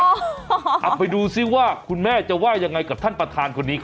เอาไปดูซิว่าคุณแม่จะว่ายังไงกับท่านประธานคนนี้ครับ